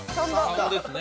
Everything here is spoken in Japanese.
３ですね。